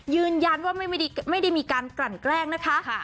ยืนยันว่าไม่ได้มีการกลั่นแกล้งนะคะ